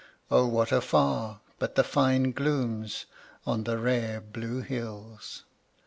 O what afar but the fine glooms On the rare blue hills!